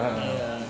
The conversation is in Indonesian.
oh gitu ya